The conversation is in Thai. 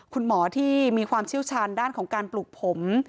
คุณหมอที่มีความเชี่ยวชาญด้านของการปลูกผม